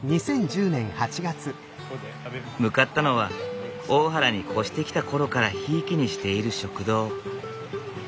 向かったのは大原に越してきた頃からひいきにしている食堂。